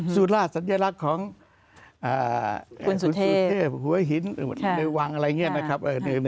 สุราชสัญลักษณ์ของศูนย์สุเทพหัวหินในวังอะไรอย่างนี้นะครับ